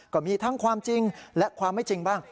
ก็มีทั้งความจริงและความไม่จริงบ้าง